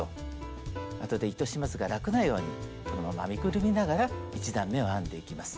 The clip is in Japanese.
あとで糸始末が楽なようにこのまま編みくるみながら１段めを編んでいきます。